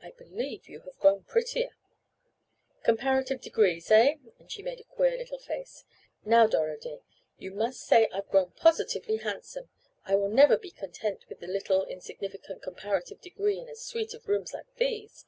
"I believe you have grown prettier—" "Comparative degrees, eh?" and she made a queer little face. "Now, Doro dear, you must say I've grown positively handsome. I will never be content with the little, insignificant comparative degree in a suite of rooms like these.